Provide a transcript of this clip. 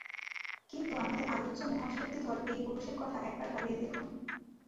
কিন্তু আমাদের আলোচ্য মহাশক্তিধর এই পুরুষের কথা একবার ভাবিয়া দেখুন।